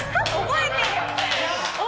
覚えてる！